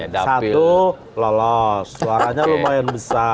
satu lolos suaranya lumayan besar